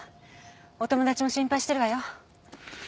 お友達も心配してるわよ。